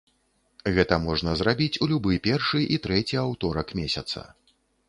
Гэта можна зрабіць у любы першы і трэці аўторак месяца.